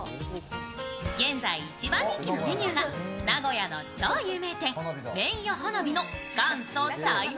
現在一番人気のメニューが名古屋の超有名店、麺屋はなびの元祖・台湾